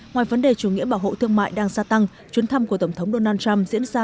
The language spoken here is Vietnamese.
ngoài vấn đề chủ nghĩa bảo hộ thương mại đang gia tăng chuyến thăm của tổng thống donald trump diễn ra